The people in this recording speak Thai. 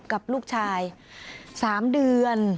กับลูกชาย๓เดือน